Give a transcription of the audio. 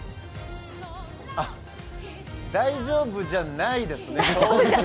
あっ大丈夫じゃないですね。